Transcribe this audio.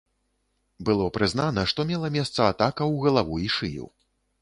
Было прызнана, што мела месца атака ў галаву і шыю.